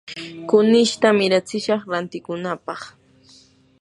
kunishta miratsishaq rantikunapaq.